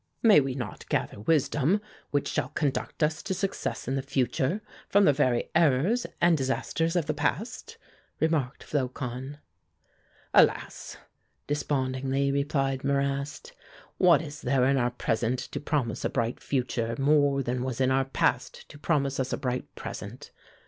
"May we not gather wisdom, which shall conduct us to success in the future, from the very errors and disasters of the past?" remarked Flocon. "Alas!" despondingly replied Marrast, "what is there in our present to promise a bright future more than was in our past to promise us a bright present?